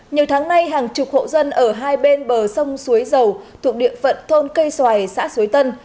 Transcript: nhiều tháng nay hàng chục hộ dân ở hai bên bờ sông suối dầu thuộc địa phận thôn cây xoài xã suối tân